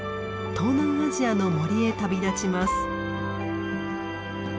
東南アジアの森へ旅立ちます。